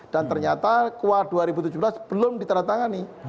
dan ternyata kua dua ribu tujuh belas belum ditandatangani